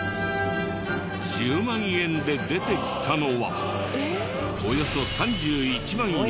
１０万円で出てきたのはおよそ３１万円